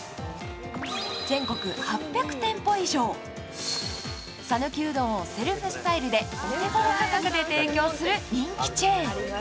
全国８００店舗以上、さぬきうどんをセルフスタイルで提供する人気チェーン。